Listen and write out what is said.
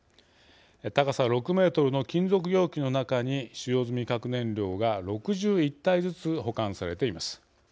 高さ６メートルの金属容器の中に使用済み核燃料が６１体ずつ保管されています。